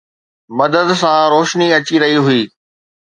مدد سان، روشني اچي رهي هئي